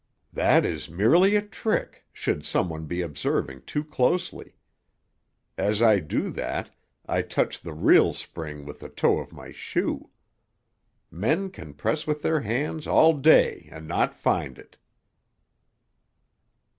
That is merely a trick, should some one be observing too closely. As I do that, I touch the real spring with the toe of my shoe. Men can press with their hands all day and not find it."